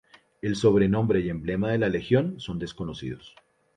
El sobrenombre y emblema de la legión son desconocidos.